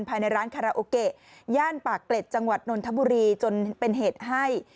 ภายในร้านคาราโอเกะย่านปากเกร็ดจังหวัดนนทบุรีจนเป็นเหตุให้